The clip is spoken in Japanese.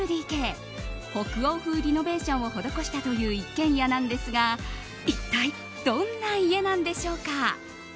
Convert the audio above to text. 北欧風リノベーションを施したという一軒家なんですが一体どんな家なんでしょうか。